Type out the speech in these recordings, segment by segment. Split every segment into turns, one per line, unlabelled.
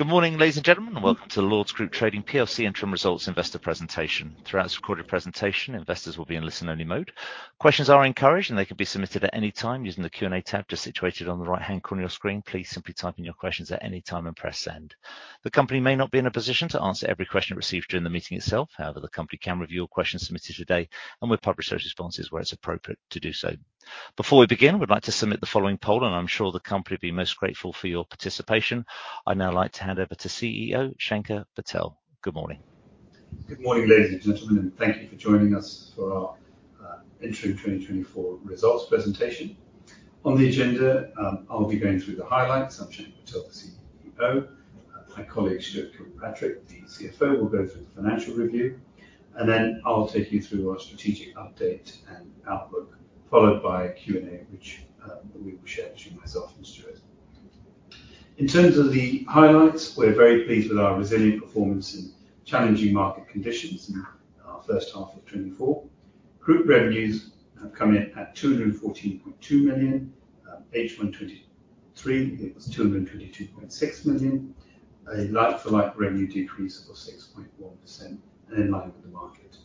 Good morning, ladies and gentlemen, and welcome to the Lords Group Trading PLC Interim Results Investor Presentation. Throughout this recorded presentation, investors will be in listen-only mode. Questions are encouraged, and they can be submitted at any time using the Q&A tab just situated on the right-hand corner of your screen. Please simply type in your questions at any time and press send. The company may not be in a position to answer every question received during the meeting itself. However, the company can review all questions submitted today, and we'll publish those responses where it's appropriate to do so. Before we begin, we'd like to submit the following poll, and I'm sure the company will be most grateful for your participation. I'd now like to hand over to CEO, Shanker Patel. Good morning.
Good morning, ladies and gentlemen, and thank you for joining us for our interim 2024 results presentation. On the agenda, I'll be going through the highlights. I'm Shanker Patel, the CEO. My colleague, Stuart Kilpatrick, the CFO, will go through the financial review, and then I'll take you through our strategic update and outlook, followed by a Q&A, which we will share between myself and Stuart. In terms of the highlights, we're very pleased with our resilient performance in challenging market conditions in our first half of 2024. Group revenues have come in at 214.2 million. H1 2023, it was 222.6 million, a like-for-like revenue decrease of 6.1% and in line with the market.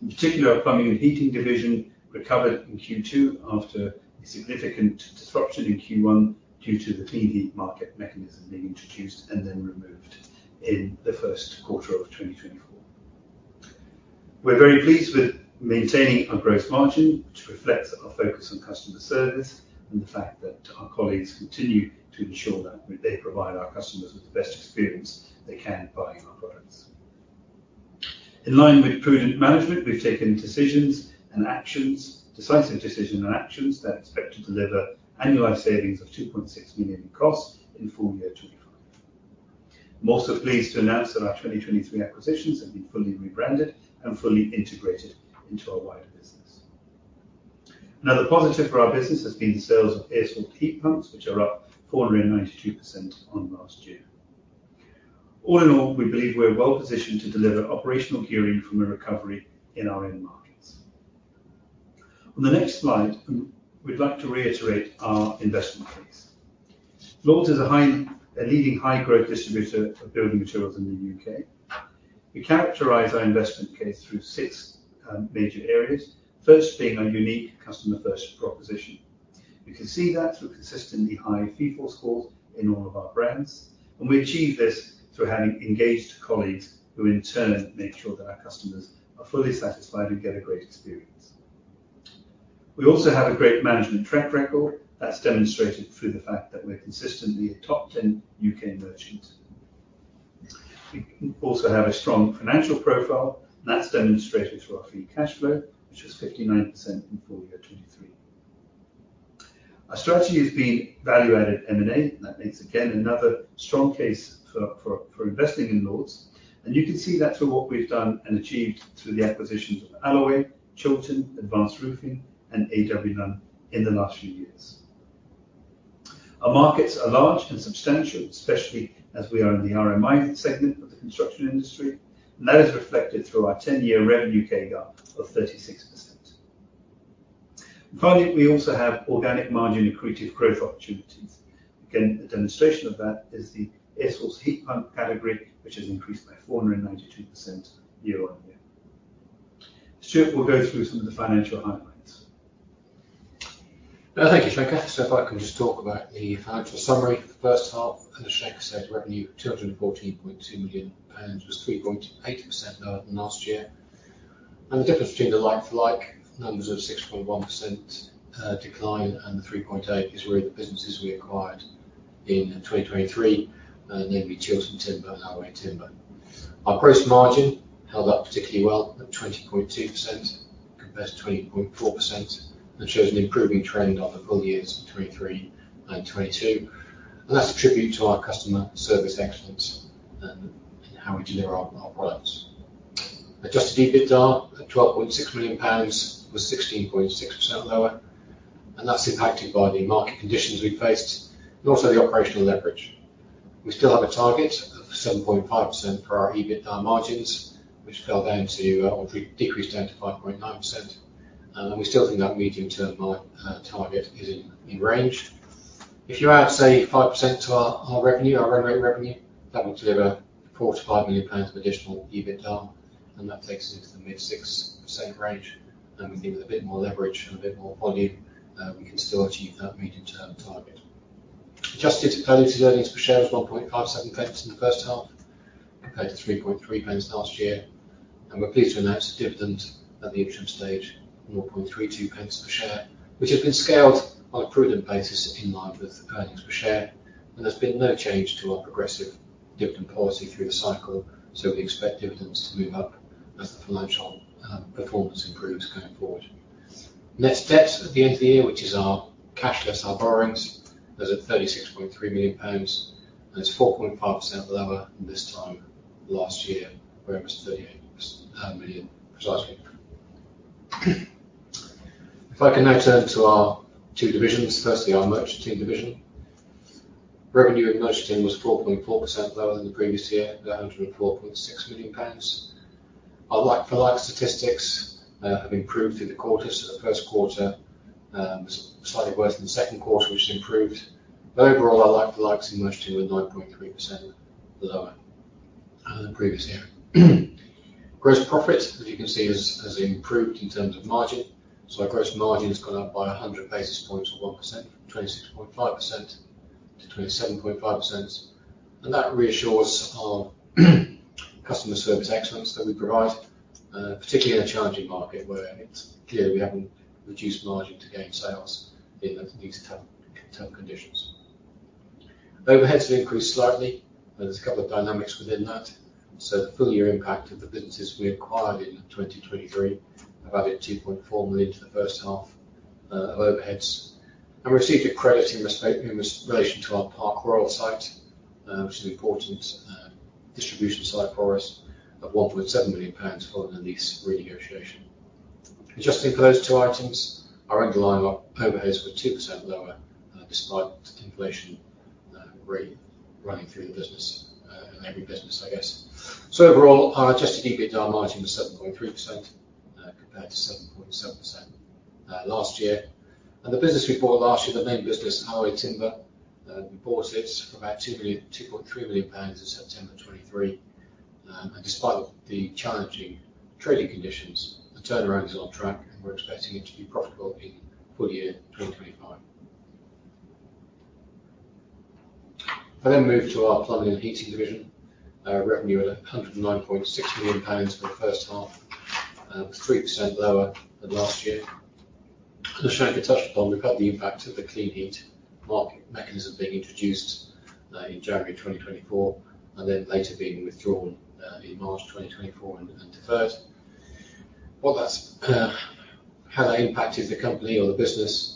In particular, our plumbing and heating division recovered in Q2 after a significant disruption in Q1 due to the Clean Heat Market Mechanism being introduced and then removed in the first quarter of twenty twenty-four. We're very pleased with maintaining our gross margin, which reflects our focus on customer service and the fact that our colleagues continue to ensure that they provide our customers with the best experience they can, buying our products. In line with prudent management, we've taken decisions and actions, decisive decisions and actions that expect to deliver annualized savings of 2.6 million in costs in full year twenty-five. I'm also pleased to announce that our twenty twenty-three acquisitions have been fully rebranded and fully integrated into our wider business. Another positive for our business has been the sales of air source heat pumps, which are up 492% on last year. All in all, we believe we're well positioned to deliver operational gearing from a recovery in our end markets. On the next slide, we'd like to reiterate our investment case. Lords is a leading high-growth distributor for building materials in the UK. We characterize our investment case through six major areas, first being our unique customer-first proposition. We can see that through consistently high Feefo scores in all of our brands, and we achieve this through having engaged colleagues, who in turn, make sure that our customers are fully satisfied and get a great experience. We also have a great management track record that's demonstrated through the fact that we're consistently a top 10 UK merchant. We also have a strong financial profile, and that's demonstrated through our free cash flow, which was 59% in full year 2023. Our strategy has been value-added M&A. That makes, again, another strong case for investing in Lords, and you can see that through what we've done and achieved through the acquisitions of Alloway, Chiltern, Advance Roofing, and A.W. Lumb in the last few years. Our markets are large and substantial, especially as we are in the RMI segment of the construction industry, and that is reflected through our ten-year revenue CAGR of 36%. Finally, we also have organic margin accretive growth opportunities. Again, a demonstration of that is the air source heat pump category, which has increased by 492% year on year. Stuart will go through some of the financial highlights.
Thank you, Shanker. If I can just talk about the financial summary for the first half, and as Shanker said, revenue 214.2 million pounds, and it was 3.8% lower than last year. The difference between the like-for-like numbers of 6.1% decline and the 3.8 is where the businesses we acquired in 2023, namely Chiltern Timber and Alloway Timber. Our gross margin held up particularly well at 20.2%, compared to 20.4%, and shows an improving trend over full years 2023 and 2022. That's a tribute to our customer service excellence and how we deliver our products. Adjusted EBITDA at 12.6 million pounds was 16.6% lower, and that's impacted by the market conditions we faced and also the operational leverage. We still have a target of 7.5% for our EBITDA margins, which fell down to, or decreased down to 5.9%. We still think that medium-term target is in range. If you add, say, 5% to our revenue, our run rate revenue, that will deliver 45 million pounds of additional EBITDA, and that takes us into the mid-6% range. We think with a bit more leverage and a bit more volume, we can still achieve that medium-term target. Adjusted earnings per share was 1.57 pence in the first half, compared to 3.3 pence last year. We're pleased to announce a dividend at the interim stage of 1.32 pence per share, which has been scaled on a prudent basis in line with the earnings per share. There's been no change to our progressive dividend policy through the cycle, so we expect dividends to move up as the financial performance improves going forward. Net debt at the end of the year, which is our cash less our borrowings, is at 36.3 million pounds, and it's 4.5% lower than this time last year, where it was 38 million precisely. If I can now turn to our two divisions, firstly, our Merchanting division. Revenue at Merchanting was 4.4% lower than the previous year, at 104.6 million pounds. Our like-for-like statistics have improved through the quarters. So the first quarter was slightly worse than the second quarter, which improved. But overall, our like-for-likes are mostly with 9.3% lower than the previous year. Gross profit, as you can see, has improved in terms of margin. So our gross margin has gone up by 100 basis points, or 1%, from 26.5% to 27.5%. And that reassures our customer service excellence that we provide, particularly in a challenging market where it's clear we haven't reduced margin to gain sales in these tough, tough conditions. Overheads have increased slightly, and there's a couple of dynamics within that. So the full year impact of the businesses we acquired in 2023, about 2.4 million to the first half of overheads. And we received a credit in respect of our Park Royal site, which is an important distribution site for us, of 1.7 million pounds following the lease renegotiation. Adjusting those two items, our underlying overheads were 2% lower, despite inflation, really running through the business, and every business, I guess, so overall, our adjusted EBITDA margin was 7.3%, compared to 7.7%, last year, and the business we bought last year, the main business, Alloway Timber, we bought it for about 2 million - 2.3 million in September 2023, and despite the challenging trading conditions, the turnaround is on track, and we're expecting it to be profitable in full year 2025. I then move to our plumbing and heating division. Our revenue at 109.6 million pounds for the first half, 3% lower than last year. As Shanker touched upon, we felt the impact of the Clean Heat Market Mechanism being introduced in January 2024, and then later being withdrawn in March 2024 and deferred. Well, that's how that impacted the company or the business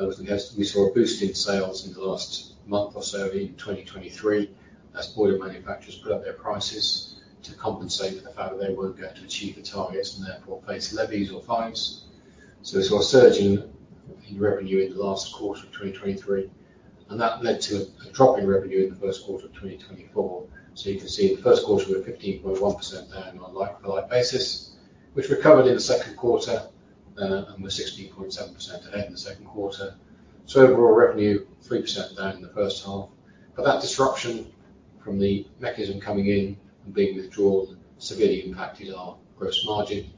was we saw a boost in sales in the last month or so in 2023, as boiler manufacturers put up their prices to compensate for the fact that they weren't going to achieve the targets and therefore face levies or fines. So we saw a surge in revenue in the last quarter of 2023, and that led to a drop in revenue in the first quarter of 2024. So you can see in the first quarter, we were 15.1% down on a like-for-like basis, which recovered in the second quarter, and we're 16.7% at the end of the second quarter. So overall revenue, 3% down in the first half. But that disruption from the mechanism coming in and being withdrawn, severely impacted our gross margin,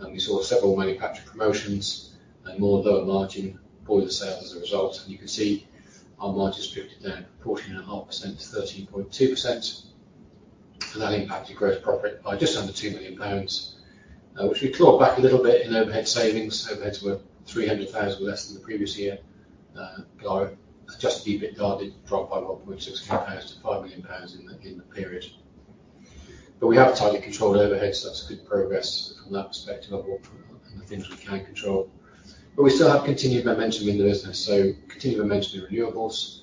and we saw several manufacturer promotions and more lower margin boiler sales as a result. And you can see our margin drifted down 14.5% to 13.2%, and that impacted gross profit by just under £2 million, which we clawed back a little bit in overhead savings. Overheads were £300,000 less than the previous year. Our adjusted EBITDA did drop by £1.6 million compared to £5 million in the period. But we have tightly controlled overheads, so that's good progress from that perspective of what, and the things we can control. But we still have continued momentum in the business, so continued momentum in renewables.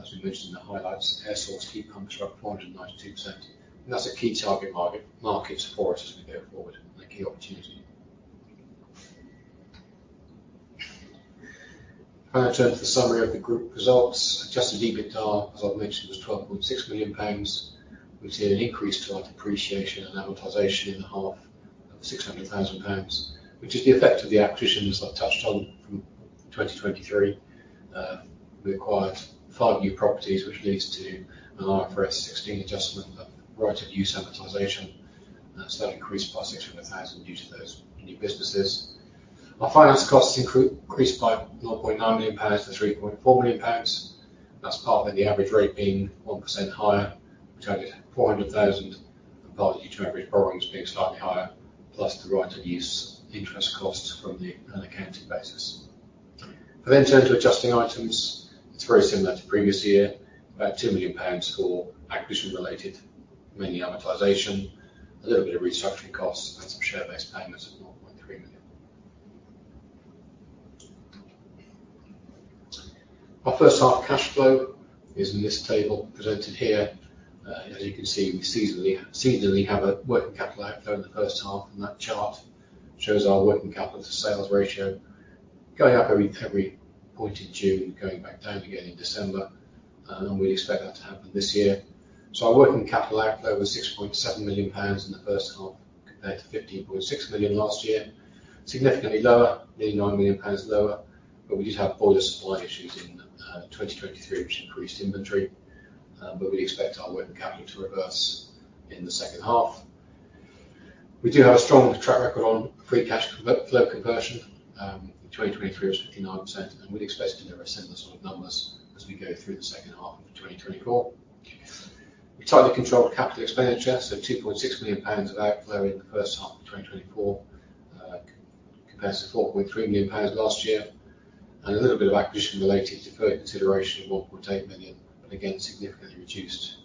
As we mentioned in the highlights, air source heat pumps were up 492%, and that's a key target market, market for us as we go forward, and a key opportunity. Now I turn to the summary of the group results. Adjusted EBITDA, as I've mentioned, was 12.6 million pounds. We've seen an increase to our depreciation and amortization in the half of 600,000 pounds, which is the effect of the acquisitions I've touched on from 2023. We acquired five new properties, which leads to an IFRS 16 adjustment of right of use amortization. So that increased by 600,000 due to those new businesses. Our finance costs increased by 1.9 million pounds to 3.4 million pounds. That's partly the average rate being 1% higher, which added 400,000, and partly due to average borrowings being slightly higher, plus the right of use interest costs from an accounting basis. I then turn to adjusting items. It's very similar to previous year, about 2 million pounds for acquisition related, mainly amortization, a little bit of restructuring costs, and some share-based payments of GBP 1.3 million. Our first half cash flow is in this table presented here. As you can see, we seasonally have a working capital outflow in the first half, and that chart shows our working capital to sales ratio going up every point in June, and going back down again in December, and we expect that to happen this year. So our working capital outflow was 6.7 million pounds in the first half, compared to 15.6 million GBP last year. Significantly lower, nearly 9 million pounds lower, but we did have boiler supply issues in 2023, which increased inventory. But we expect our working capital to reverse in the second half. We do have a strong track record on free cash flow conversion. 2023 was 59%, and we'd expect similar numbers as we go through the second half of 2024. We tightly controlled capital expenditure, so 2.6 million pounds of outflow in the first half of 2024 compares to 4.3 million pounds last year. And a little bit of acquisition related to further consideration of 1.8 million, but again, significantly reduced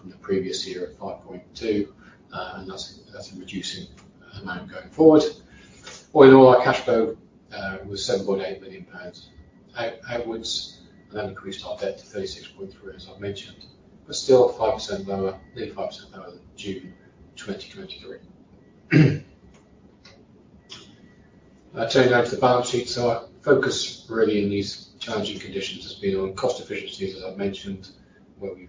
from the previous year at 5.2. And that's a reducing amount going forward. All in all, our cash flow was 7.8 million pounds outwards, and that increased our debt to 36.3, as I mentioned, but still 5% lower, nearly 5% lower than June 2023. I turn now to the balance sheet. So our focus really in these challenging conditions has been on cost efficiency, as I've mentioned, where we've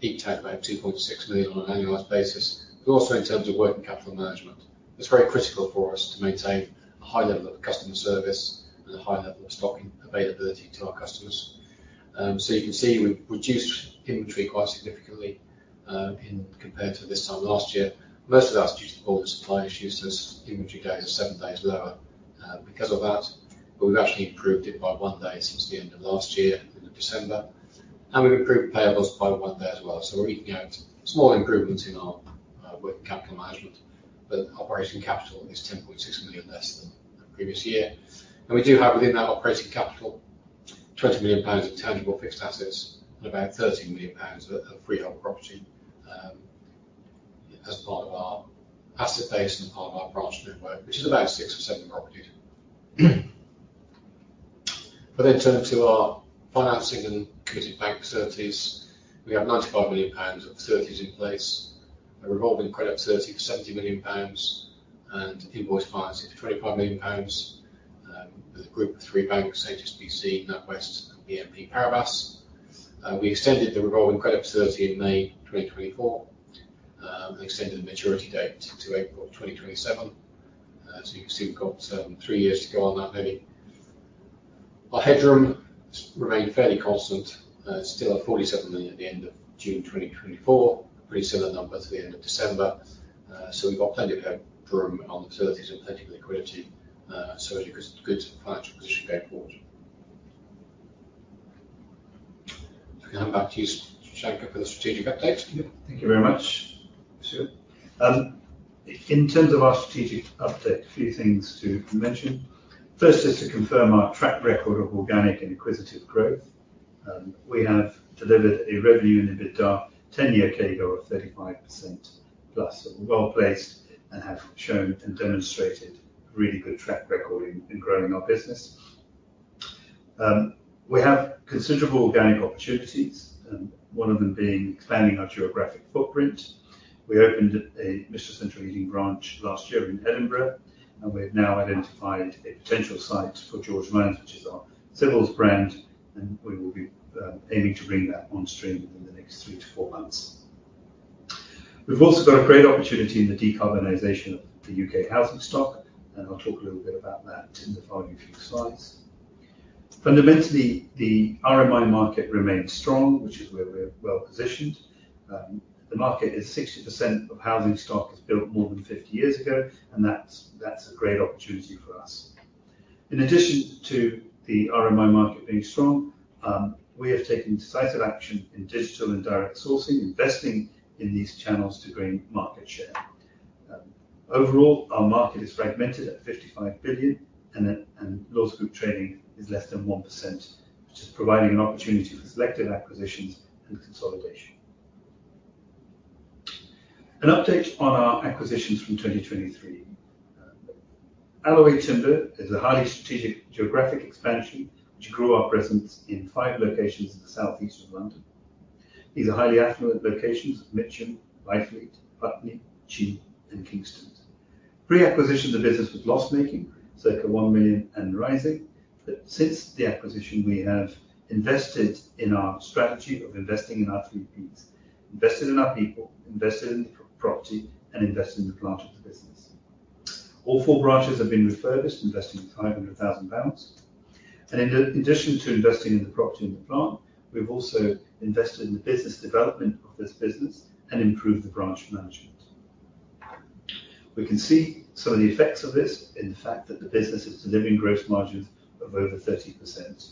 peaked out about 2.6 million on an annualized basis, but also in terms of working capital management. It's very critical for us to maintain a high level of customer service and a high level of stocking availability to our customers. So you can see we've reduced inventory quite significantly, compared to this time last year. Most of that is due to boiler supply issues, as inventory days are seven days lower, because of that, but we've actually improved it by one day since the end of last year, end of December, and we've improved payables by one day as well. So we're eking out small improvements in our working capital management, but operating capital is 10.6 million less than the previous year. We do have, within that operating capital, 20 million pounds of tangible fixed assets and about 13 million pounds of freehold property as part of our asset base and part of our branch network, which is about six or seven properties. But then turning to our financing and committed bank facilities, we have 95 million pounds of facilities in place, a revolving credit facility for 70 million pounds, and invoice financing for 25 million pounds with a group of three banks, HSBC, NatWest, and BNP Paribas. We extended the revolving credit facility in May 2024 and extended the maturity date to April 2027. So you can see we've got three years to go on that maybe. Our headroom has remained fairly constant, still at 47 million at the end of June 2024. Pretty similar number to the end of December, so we've got plenty of headroom on facilities and plenty of liquidity, so it's a good, good financial position going forward. I come back to you, Shanker, for the strategic update.
Yeah. Thank you very much, Stuart. In terms of our strategic update, a few things to mention. First is to confirm our track record of organic and acquisitive growth. We have delivered a revenue and EBITDA 10-year CAGR of 35%, plus we're well-placed and have shown and demonstrated really good track record in growing our business. We have considerable organic opportunities, one of them being expanding our geographic footprint. We opened a Mr. Central Heating branch last year in Edinburgh, and we've now identified a potential site for George Lines, which is our civils brand, and we will be aiming to bring that on stream within the next three to four months. We've also got a great opportunity in the decarbonization of the U.K. housing stock, and I'll talk a little bit about that in the following few slides. Fundamentally, the RMI market remains strong, which is where we're well positioned. The market is 60% of housing stock was built more than 50 years ago, and that's a great opportunity for us. In addition to the RMI market being strong, we have taken decisive action in digital and direct sourcing, investing in these channels to gain market share. Overall, our market is fragmented at 55 billion, and Lords Group Trading is less than 1%, which is providing an opportunity for selective acquisitions and consolidation. An update on our acquisitions from 2023. Alloway Timber is a highly strategic geographic expansion, which grew our presence in 5 locations in the southeast of London. These are highly affluent locations, Mitcham, Byfleet, Putney, Cheam, and Kingston. Pre-acquisition, the business was loss-making, circa 1 million and rising. But since the acquisition, we have invested in our strategy of investing in our three Ps: invested in our people, invested in property, and invested in the plant of the business. All four branches have been refurbished, investing 500,000 pounds. And in addition to investing in the property and the plant, we have also invested in the business development of this business and improved the branch management. We can see some of the effects of this in the fact that the business is delivering gross margins of over 30%,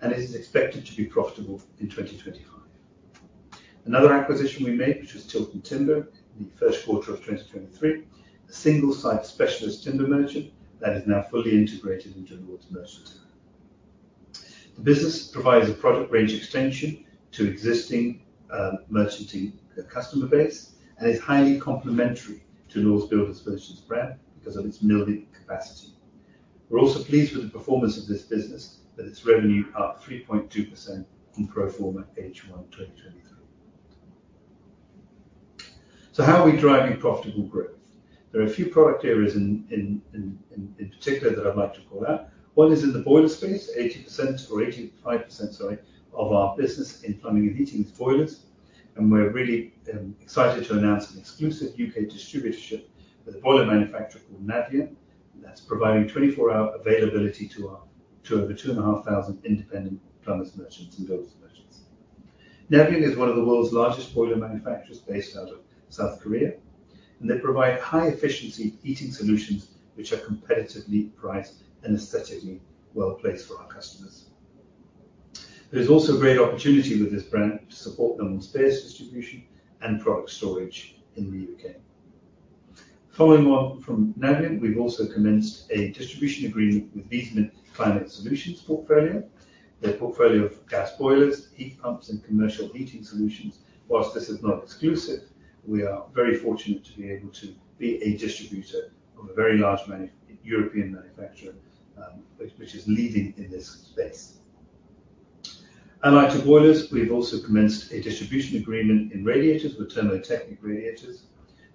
and it is expected to be profitable in 2025. Another acquisition we made, which was Chiltern Timber, in the first quarter of 2023, a single-site specialist timber merchant that is now fully integrated into the wood merchant. The business provides a product range extension to existing merchant customer base, and is highly complementary to Lords Builders Merchants brand because of its milling capacity. We're also pleased with the performance of this business, with its revenue up 3.2% from pro forma H1 2023. So how are we driving profitable growth? There are a few product areas in particular that I'd like to call out. One is in the boiler space, 80% or 85%, sorry, of our business in plumbing and heating is boilers, and we're really excited to announce an exclusive UK distributorship with a boiler manufacturer called Navien, and that's providing 24-hour availability to over 2,500 independent plumbers, merchants, and builders merchants. Navien is one of the world's largest boiler manufacturers based out of South Korea, and they provide high-efficiency heating solutions which are competitively priced and aesthetically well-placed for our customers. There's also a great opportunity with this brand to support the home space distribution and product storage in the UK. Following on from Navien, we've also commenced a distribution agreement with Viessmann Climate Solutions portfolio. Their portfolio of gas boilers, heat pumps, and commercial heating solutions. While this is not exclusive, we are very fortunate to be able to be a distributor of a very large European manufacturer, which is leading in this space. Like the boilers, we've also commenced a distribution agreement in radiators with Thermotechnic radiators.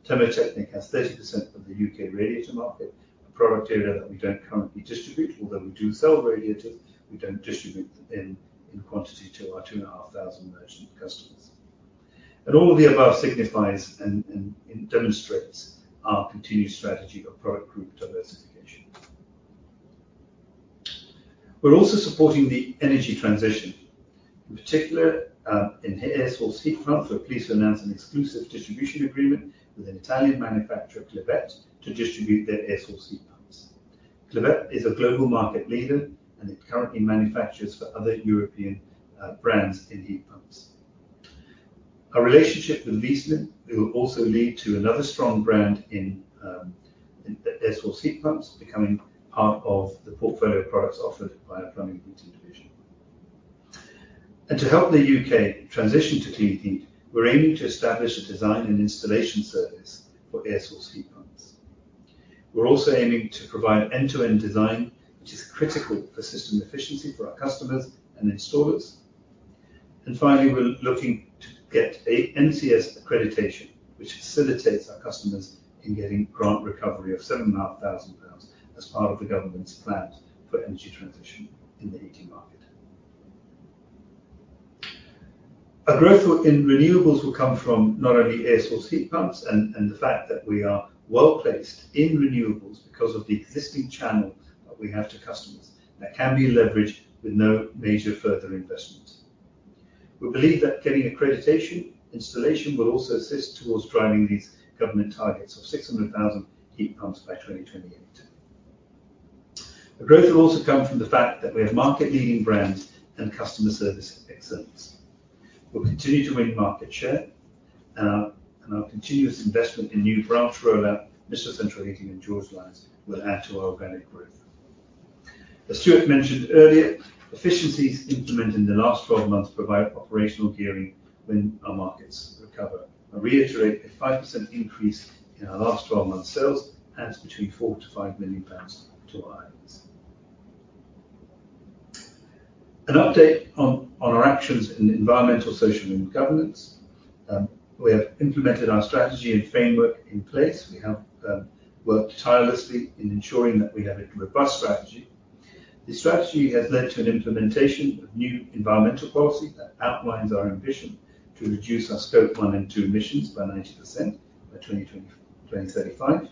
Thermotechnic has 30% of the UK radiator market, a product area that we don't currently distribute. Although we do sell radiators, we don't distribute them in quantity to our two and a half thousand merchant customers, and all of the above signifies and demonstrates our continued strategy of product group diversification. We're also supporting the energy transition, in particular, in air source heat pumps. We're pleased to announce an exclusive distribution agreement with an Italian manufacturer, Clivet, to distribute their air source heat pumps. Clivet is a global market leader, and it currently manufactures for other European brands in heat pumps. Our relationship with Viessmann will also lead to another strong brand in air source heat pumps, becoming part of the portfolio of products offered by our Plumbing and Heating division, and to help the UK transition to clean heat, we're aiming to establish a design and installation service for air source heat pumps. We're also aiming to provide end-to-end design, which is critical for system efficiency for our customers and installers, and finally, we're looking to get an MCS accreditation, which facilitates our customers in getting grant recovery of £7,500 as part of the government's plans for energy transition in the heating market. Our growth in renewables will come from not only air source heat pumps and the fact that we are well-placed in renewables because of the existing channel that we have to customers, that can be leveraged with no major further investment. We believe that getting accreditation installation will also assist towards driving these government targets of 600,000 heat pumps by 2028. The growth will also come from the fact that we have market-leading brands and customer service excellence. We'll continue to win market share, and our continuous investment in new branch rollout, Mr. Central Heating and George Lines, will add to our organic growth. As Stuart mentioned earlier, efficiencies implemented in the last twelve months provide operational gearing when our markets recover. I reiterate, a 5% increase in our last twelve months' sales adds between £4 million to £5 million to our earnings. An update on our actions in environmental, social and governance. We have implemented our strategy and framework in place. We have worked tirelessly in ensuring that we have a robust strategy. The strategy has led to an implementation of new environmental policy that outlines our ambition to reduce our Scope 1 and 2 emissions by 90% by 2035.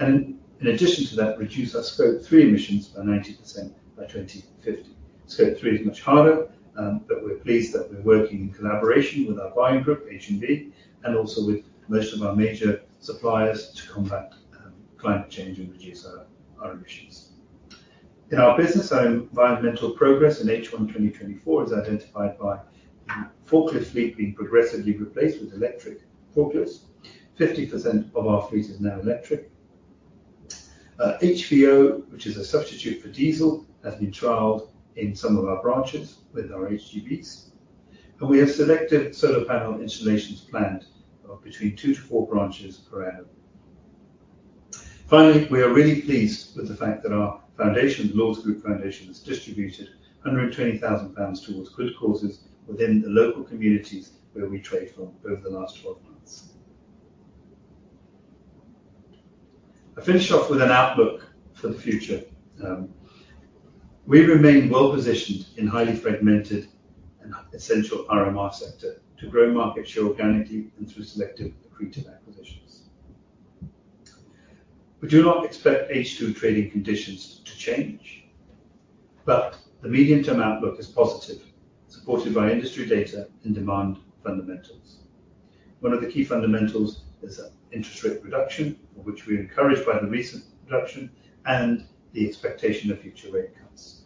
In addition to that, reduce our scope 3 emissions by 90% by 2050. Scope 3 is much harder, but we're pleased that we're working in collaboration with our buying group, H&B, and also with most of our major suppliers to combat climate change and reduce our emissions. In our business, our environmental progress in H1 2024 is identified by forklift fleet being progressively replaced with electric forklifts. 50% of our fleet is now electric. HVO, which is a substitute for diesel, has been trialed in some of our branches with our HGVs, and we have selected solar panel installations planned of between two to four branches per annum. Finally, we are really pleased with the fact that our foundation, Lords Group Foundation, has distributed 120,000 pounds towards good causes within the local communities where we trade from over the last twelve months. I'll finish off with an outlook for the future. We remain well-positioned in highly fragmented and essential RMI sector to grow market share organically and through selective accretive acquisitions. We do not expect H2 trading conditions to change, but the medium-term outlook is positive, supported by industry data and demand fundamentals. One of the key fundamentals is interest rate reduction, which we are encouraged by the recent reduction and the expectation of future rate cuts.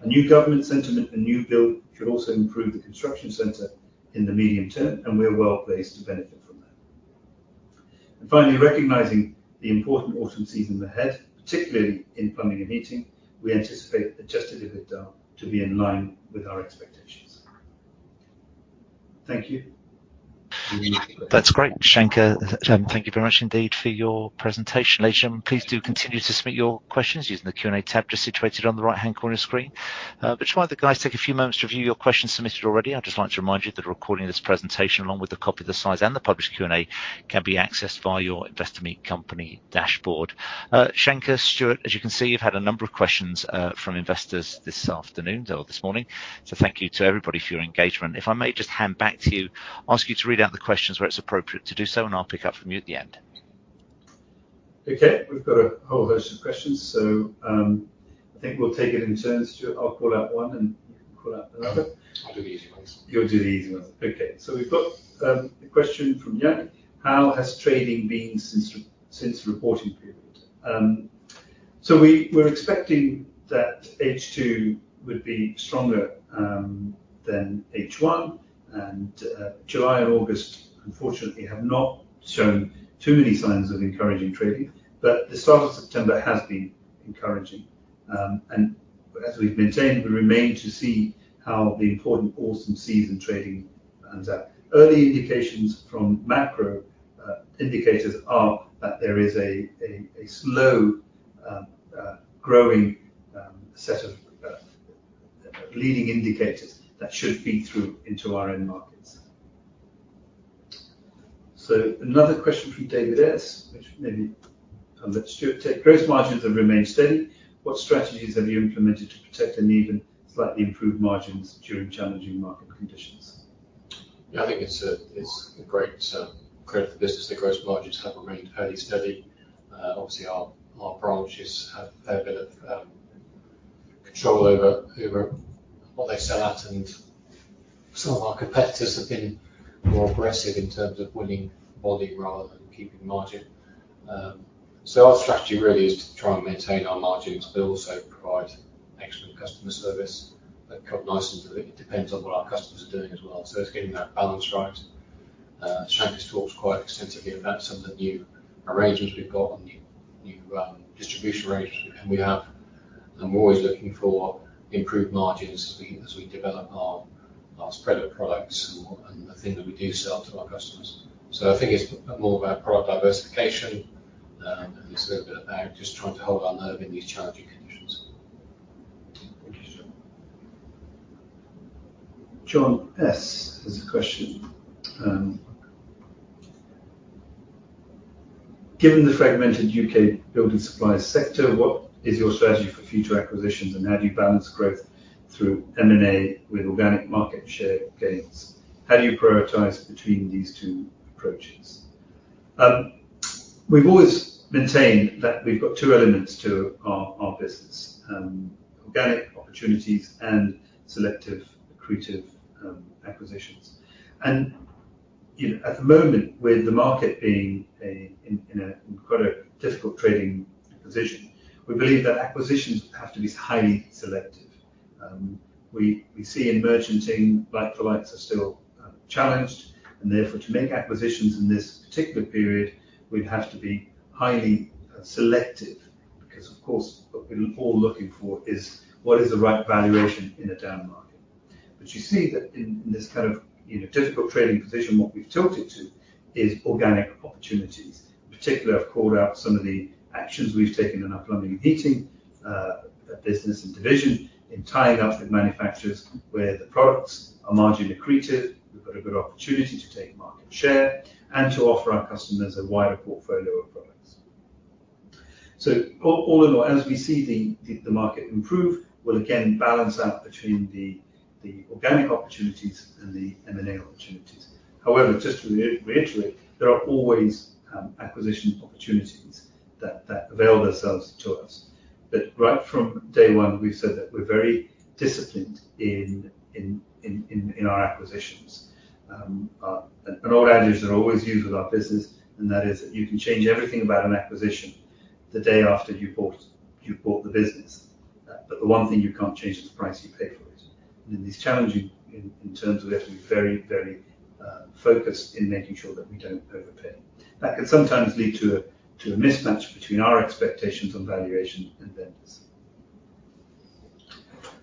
A new government sentiment and new build should also improve the construction sector in the medium term, and we are well-placed to benefit from that. Finally, recognizing the important autumn season ahead, particularly in plumbing and heating, we anticipate adjusted EBITDA to be in line with our expectations. Thank you.
That's great, Shanker. Thank you very much indeed for your presentation. Ladies and gentlemen, please do continue to submit your questions using the Q&A tab just situated on the right-hand corner of the screen. But while the guys take a few moments to review your questions submitted already, I'd just like to remind you that a recording of this presentation, along with a copy of the slides and the published Q&A, can be accessed via your Investor Meet Company dashboard. Shanker, Stuart, as you can see, you've had a number of questions from investors this afternoon, though, this morning, so thank you to everybody for your engagement. If I may just hand back to you, ask you to read out the questions where it's appropriate to do so, and I'll pick up from you at the end.
Okay, we've got a whole host of questions, so I think we'll take it in turns to. I'll call out one and call out another. I'll do the easy ones. You'll do the easy ones. Okay. So we've got a question from Yannick: How has trading been since the reporting period?
So we were expecting that H2 would be stronger than H1, and July and August, unfortunately, have not shown too many signs of encouraging trading, but the start of September has been encouraging. And as we've maintained, we remain to see how the important autumn season trading pans out. Early indications from macro indicators are that there is a slow growing set of leading indicators that should feed through into our end markets.
So another question from David S, which maybe I'll let Stuart take. Gross margins have remained steady. What strategies have you implemented to protect and even slightly improve margins during challenging market conditions?
Yeah, I think it's a great credit for the business that gross margins have remained fairly steady. Obviously, our branches have a fair bit of control over what they sell at, and some of our competitors have been more aggressive in terms of winning volume rather than keeping margin. So our strategy really is to try and maintain our margins, but also provide excellent customer service that cut nicely. It depends on what our customers are doing as well. So it's getting that balance right. Shanker has talked quite extensively about some of the new arrangements we've got and the new distribution arrangements, and we have. We're always looking for improved margins as we develop our spread of products and what, and the thing that we do sell to our customers. So I think it's more about product diversification, and it's a little bit about just trying to hold our nerve in these challenging conditions.
Thank you, Stuart. John S has a question. Given the fragmented U.K. building supply sector, what is your strategy for future acquisitions, and how do you balance growth through M&A with organic market share gains? How do you prioritize between these two approaches? We've always maintained that we've got two elements to our business: organic opportunities and selective, accretive, acquisitions. And, you know, at the moment, with the market being in a quite difficult trading position, we believe that acquisitions have to be highly selective. We see in merchanting, like for likes are still challenged, and therefore, to make acquisitions in this particular period, we'd have to be highly selective because, of course, what we're all looking for is what is the right valuation in a down market. But you see that in this kind of, you know, difficult trading position, what we've tilted to is organic opportunities. Particularly, I've called out some of the actions we've taken in our plumbing and heating business and division in tying up with manufacturers where the products are margin accretive. We've got a good opportunity to take market share and to offer our customers a wider portfolio of products. So all in all, as we see the market improve, we'll again balance out between the organic opportunities and the M&A opportunities. However, just to reiterate, there are always acquisition opportunities that avail themselves to us. But right from day one, we've said that we're very disciplined in our acquisitions. An old adage that I always use with our business, and that is, "You can change everything about an acquisition the day after you bought the business. But the one thing you can't change is the price you pay for it." And in these challenging terms of we have to be very, very focused in making sure that we don't overpay. That can sometimes lead to a mismatch between our expectations on valuation and vendors.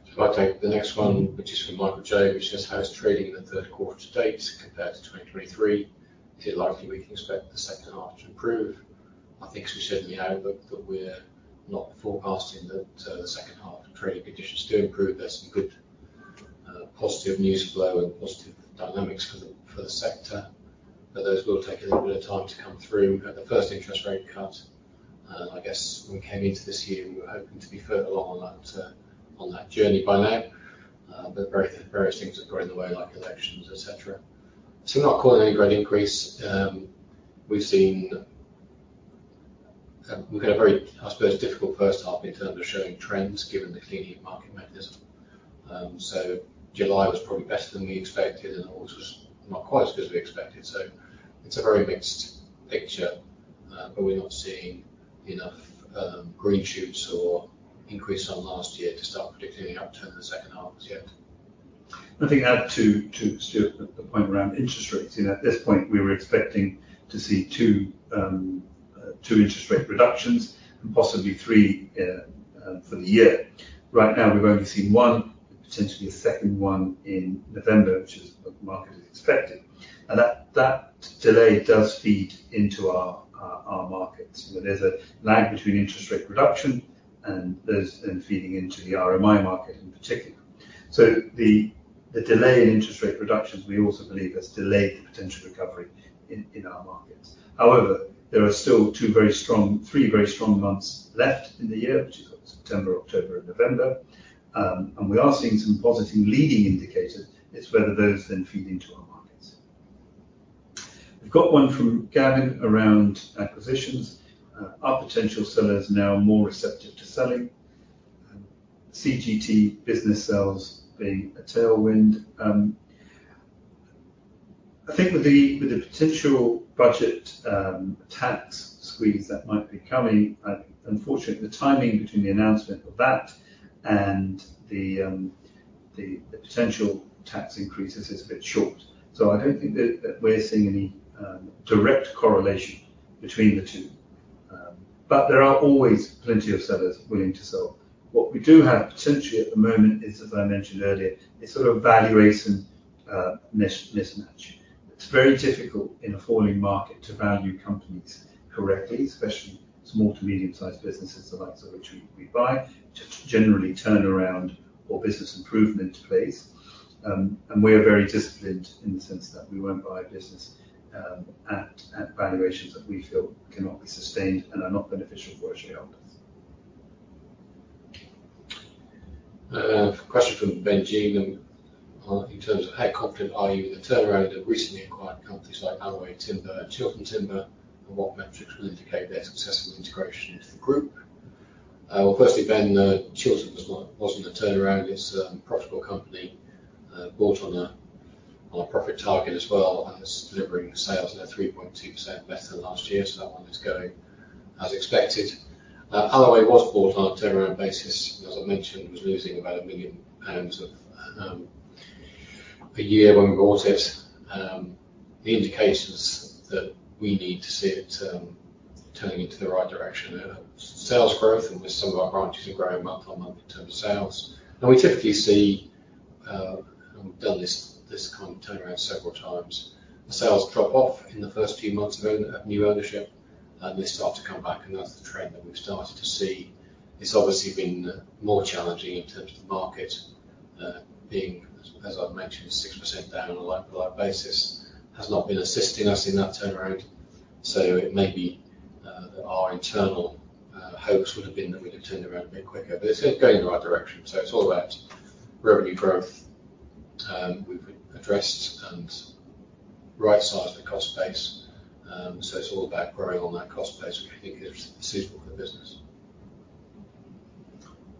If I take the next one, which is from Michael J, which says, "How is trading in the third quarter to date compared to 2023? Is it likely we can expect the second half to improve?" I think as we said in the outlook, that we're not forecasting that the second half trading conditions do improve. There's some good positive news flow and positive dynamics for the sector, but those will take a little bit of time to come through. We had the first interest rate cut, and I guess when we came into this year, we were hoping to be further along on that journey by now. But various things have got in the way, like elections, et cetera. So we're not calling any great increase. We've seen... We've had a very, I suppose, difficult first half in terms of showing trends, given the Clean Heat Market Mechanism. So July was probably better than we expected, and August was not quite as good as we expected. So it's a very mixed picture, but we're not seeing enough green shoots or increase on last year to start predicting any upturn in the second half just yet.
Nothing to add to Stuart, the point around interest rates. You know, at this point, we were expecting to see two interest rate reductions and possibly three for the year. Right now, we've only seen one, potentially a second one in November, which is what the market is expecting, and that delay does feed into our markets. There's a lag between interest rate reduction and those then feeding into the RMI market in particular. So the delay in interest rate reductions, we also believe, has delayed the potential recovery in our markets. However, there are still two very strong, three very strong months left in the year, which is September, October, and November. And we are seeing some positive leading indicators. It's whether those then feed into our markets. We've got one from Gavin around acquisitions. Are potential sellers now more receptive to selling, CGT business sales being a tailwind? I think with the potential budget tax squeeze that might be coming, unfortunately, the timing between the announcement of that and the potential tax increases is a bit short. So I don't think that we're seeing any direct correlation between the two. But there are always plenty of sellers willing to sell. What we do have potentially at the moment is, as I mentioned earlier, a sort of valuation mismatch. It's very difficult in a falling market to value companies correctly, especially small to medium-sized businesses, the likes of which we buy, to generally turn around or business improvement plays. And we are very disciplined in the sense that we won't buy a business at valuations that we feel cannot be sustained and are not beneficial for our shareholders. Question from Ben Jeynes, and in terms of how confident are you in the turnaround of recently acquired companies like Alloway Timber and Chiltern Timber, and what metrics will indicate their successful integration into the group? Well, firstly, Ben, Chiltern was not, wasn't a turnaround. It's a profitable company, bought on a profit target as well, and it's delivering sales at 3.2% better than last year. So that one is going as expected. Alloway was bought on a turnaround basis, as I mentioned, was losing about 1 million pounds a year when we bought it. The indications that we need to see it turning into the right direction are sales growth, and with some of our branches are growing month on month in terms of sales. Now, we typically see, and we've done this kind of turnaround several times, the sales drop off in the first few months of new ownership, and they start to come back, and that's the trend that we've started to see. It's obviously been more challenging in terms of the market being as I've mentioned, 6% down on a like-for-like basis, has not been assisting us in that turnaround. So it may be that our internal hopes would have been that we'd have turned around a bit quicker, but it's going in the right direction. So it's all about revenue growth. We've addressed and right-sized the cost base. So it's all about growing on that cost base, which we think is suitable for the business.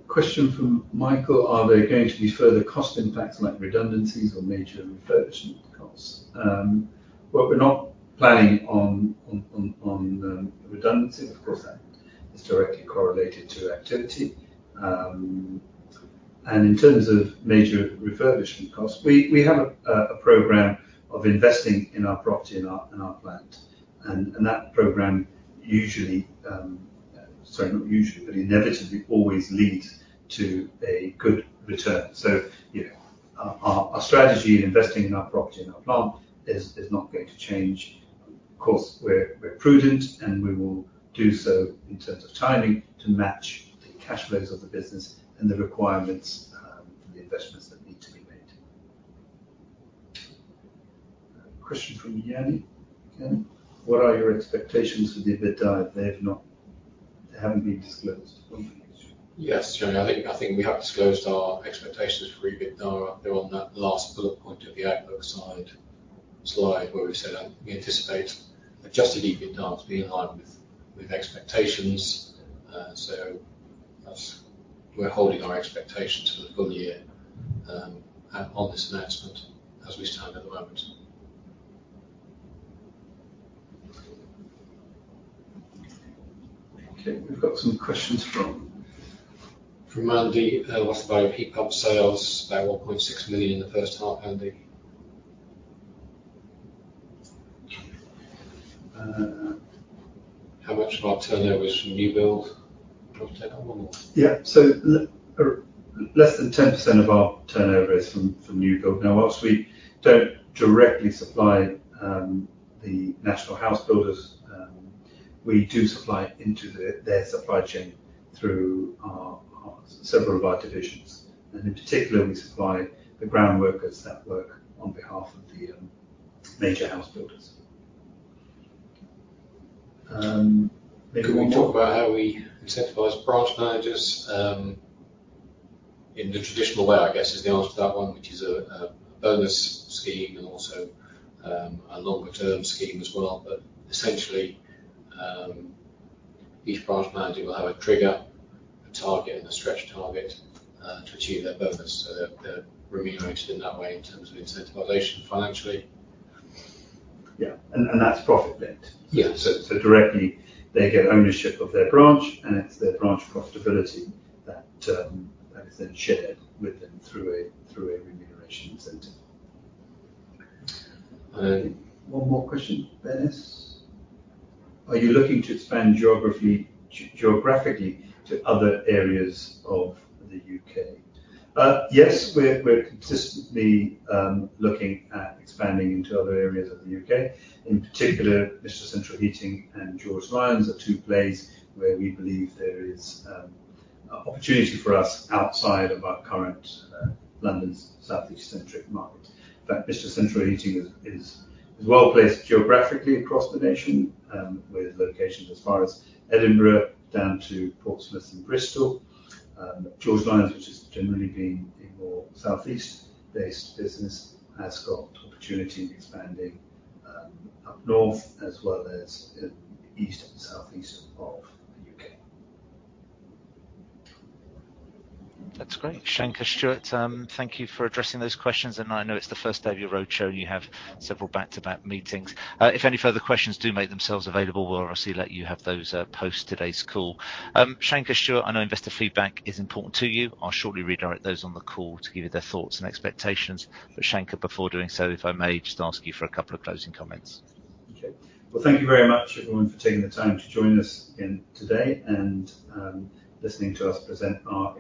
Question from Michael: Are there going to be further cost impacts, like redundancies or major refurbishment costs? Well, we're not planning on redundancies. Of course, that is directly correlated to activity. And in terms of major refurbishment costs, we have a program of investing in our property and our plant, and that program, sorry, not usually, but inevitably always leads to a good return. So, you know, our strategy in investing in our property and our plant is not going to change. Of course, we're prudent, and we will do so in terms of timing, to match the cash flows of the business and the requirements for the investments that need to be made. Question from Yannick, what are your expectations for the EBITDA? They haven't been disclosed.
Yes, Yanni, I think, I think we have disclosed our expectations for EBITDA. They're on that last bullet point of the outlook side slide, where we said, we anticipate adjusted EBITDA to be in line with, with expectations. So that's we're holding our expectations for the full year, on this announcement as we stand at the moment. Okay, we've got some questions from...
From Mandy. What about pickup sales, about £1.6 million in the first half, Mandy? How much of our turnover is from new build? Do you want to take that one or-
Yeah. Less than 10% of our turnover is from new build. Now, while we don't directly supply the national house builders, we do supply into their supply chain through our several of our divisions, and in particular, we supply the ground workers that work on behalf of the major house builders. Maybe one more?
Can we talk about how we incentivize branch managers? In the traditional way, I guess, is the answer to that one, which is a bonus scheme and also a longer-term scheme as well, but essentially, each branch manager will have a trigger, a target, and a stretch target to achieve their bonus, so they're remunerated in that way in terms of incentivization financially.
Yeah, and that's profit linked.
Yeah.
Directly they get ownership of their branch, and it's their branch profitability that is then shared with them through a remuneration incentive.
One more question. Dennis, are you looking to expand geography, geographically to other areas of the UK?
Yes, we're consistently looking at expanding into other areas of the UK. In particular, Mr. Central Heating and George Lines are two places where we believe there is opportunity for us outside of our current London, Southeast centric market. In fact, Mr. Central Heating is well-placed geographically across the nation with locations as far as Edinburgh down to Portsmouth and Bristol. George Lines, which has generally been a more Southeast-based business, has got opportunity in expanding up north as well as east and southeast of the UK.
That's great. Shanker, Stuart, thank you for addressing those questions, and I know it's the first day of your roadshow, and you have several back-to-back meetings. If any further questions do make themselves available, we'll obviously let you have those, post today's call. Shanker, Stuart, I know investor feedback is important to you. I'll shortly redirect those on the call to give you their thoughts and expectations. But, Shanker, before doing so, if I may just ask you for a couple of closing comments.
Okay. Well, thank you very much, everyone, for taking the time to join us today and listening to us present our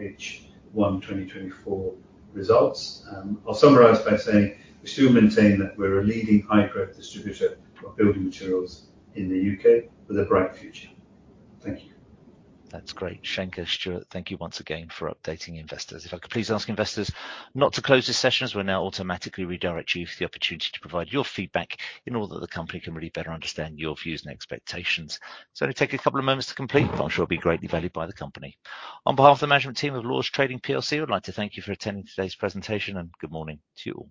H1 2024 results. I'll summarize by saying we still maintain that we're a leading high-growth distributor for building materials in the UK with a bright future. Thank you.
That's great. Shanker, Stuart, thank you once again for updating investors. If I could please ask investors not to close this session, as we'll now automatically redirect you for the opportunity to provide your feedback in order that the company can really better understand your views and expectations. It'll only take a couple of moments to complete, but I'm sure it'll be greatly valued by the company. On behalf of the management team of Lords Group Trading PLC, I would like to thank you for attending today's presentation, and good morning to you all.